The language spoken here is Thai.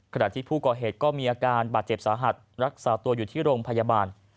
ขณะที่ผู้ก่อเหตุก็มีอาการบาดเจ็บสาหัสรักษาตัวอยู่ที่โรงพยาบาล